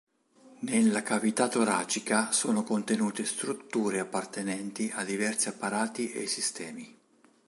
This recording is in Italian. Nella cavità toracica sono contenute strutture appartenenti a diversi apparati e sistemi.